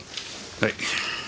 はい。